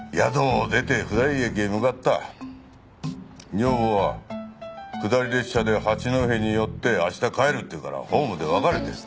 女房は下り列車で八戸に寄って明日帰るっていうからホームで別れたよ。